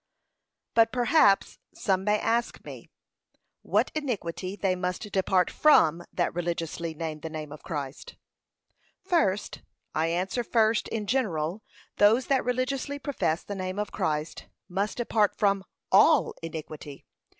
But perhaps some may ask me, WHAT INIQUITY THEY MUST DEPART FROM THAT RELIGIOUSLY NAME THE NAME OF CHRIST? First, I answer first, in general, those that religiously profess the name of Christ, must depart from ALL iniquity.